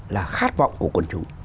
là khát vọng của quần chúng